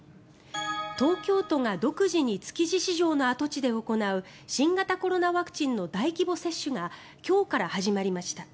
東京都が独自に築地市場の跡地で行う新型コロナワクチンの大規模接種が今日から始まりました。